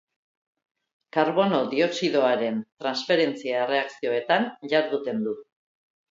Karbono dioxidoaren transferentzia-erreakzioetan jarduten du.